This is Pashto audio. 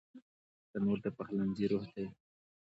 تنور د پخلنځي روح دی